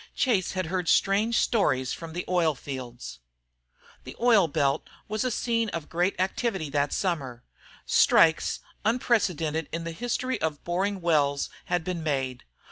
Chase had heard strange stories from the oil fields. The oil belt was a scene of great activity that Summer. Strikes, unprecedented in the history of boring wells, had been made.